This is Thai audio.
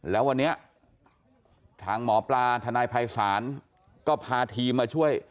แล้ววันนี้ทางหมอปลาทนายภัยศาลก็พาทีมมาช่วย